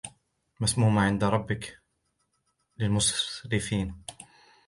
مسومة عند ربك للمسرفين